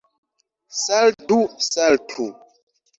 Saltu, saltu!